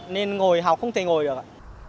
nên ngồi học không thể ngồi được ạ